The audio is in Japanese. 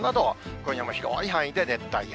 今夜も広い範囲で熱帯夜。